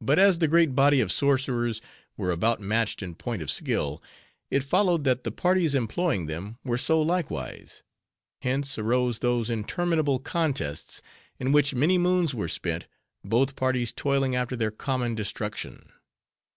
But as the great body of sorcerers were about matched in point of skill, it followed that the parties employing them were so likewise. Hence arose those interminable contests, in which many moons were spent, both parties toiling after their common destruction.